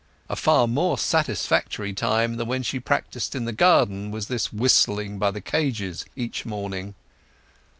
A far more satisfactory time than when she practised in the garden was this whistling by the cages each morning.